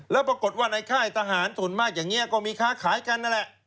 แล้วปรากฏว่าในค่ายทหารส่วนมากอย่างนี้ก็มีค้าขายกันนั่นแหละ